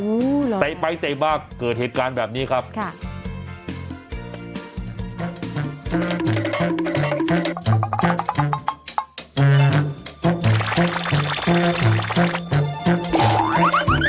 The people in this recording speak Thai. อู้หรอครับไต่ไปไต่บ้างเกิดเหตุการณ์แบบนี้ครับค่ะค่ะ